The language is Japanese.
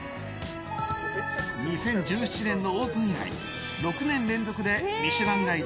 ２０１７年のオープン以来６年連続で「ミシュランガイド」